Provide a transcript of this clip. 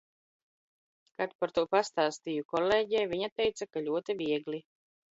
Kad par to past?st?ju kol??ei, vi?a teica, ka ?oti viegli